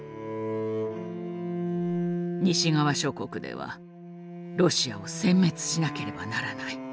西側諸国ではロシアを殲滅しなければならない。